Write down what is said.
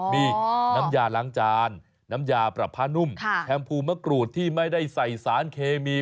มีน้ำยาล้างจานน้ำยาปรับผ้านุ่มแชมพูมะกรูดที่ไม่ได้ใส่สารเคมี